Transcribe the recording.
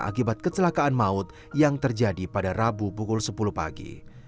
akibat kecelakaan maut yang terjadi pada rabu pukul sepuluh pagi